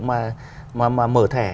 mà mở thẻ